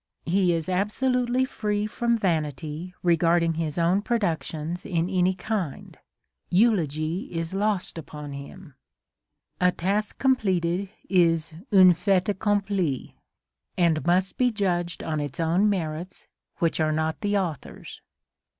He is absolutely free from vanity regarding his own productions in any kind : eulogy is lost upon him. A task completed is un fait accompli ^ and must be judged on its own merits, which are not the author*s.